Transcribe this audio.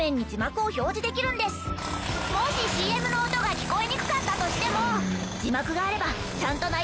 もしＣＭの音が聞こえにくかったとしても。